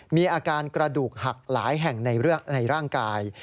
มีอาการกระดูกหักหลายแห่งในร่างกาย